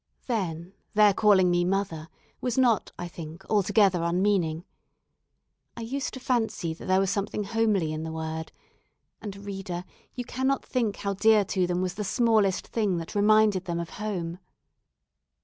Then their calling me "mother" was not, I think, altogether unmeaning. I used to fancy that there was something homely in the word; and, reader, you cannot think how dear to them was the smallest thing that reminded them of home.